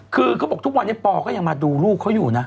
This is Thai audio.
คือเขาบอกทุกวันนี้ปอก็ยังมาดูลูกเขาอยู่นะ